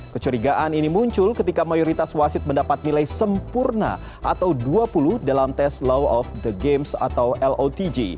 kecurigaan ini muncul ketika mayoritas wasit mendapat nilai sempurna atau dua puluh dalam tes law of the games atau lotj